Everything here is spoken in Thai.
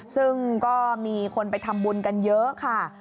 ซึ่งก็มีคนไปทำบุญกันเยอะค่ะ